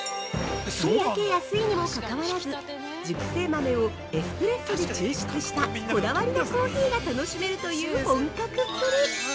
◆それだけ安いにも関わらず、熟成豆をエスプレッソで抽出したこだわりのコーヒーが楽しめるという、本格っぷり。